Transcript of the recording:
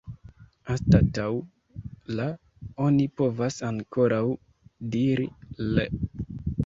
Anstataŭ « la » oni povas ankaŭ diri « l' ».